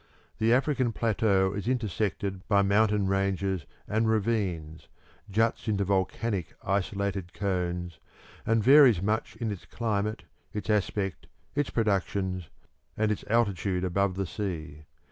The African plateau is intersected by mountain ranges and ravines, juts into volcanic isolated cones, and varies much in its climate, its aspect, its productions, and its altitude above the sea.